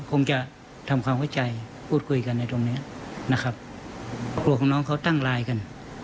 คงจะทำความเข้าใจพูดคุยกันในตรงเนี้ยนะครับกลัวของน้องเขาตั้งไลน์กัน